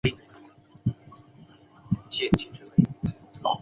代码被分配给一个城市和五个区。